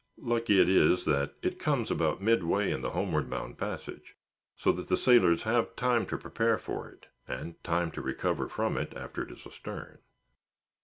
Lucky it is that it comes about midway in the homeward bound passage, so that the sailors have time to prepare for it, and time to recover from it after it is astern.